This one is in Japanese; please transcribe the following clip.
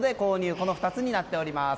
この２つになっております。